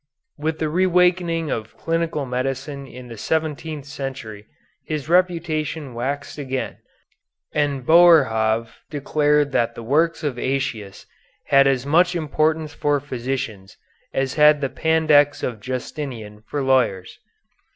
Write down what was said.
With the reawakening of clinical medicine in the seventeenth century his reputation waxed again, and Boerhaave declared that the works of Aëtius had as much importance for physicians as had the Pandects of Justinian for lawyers.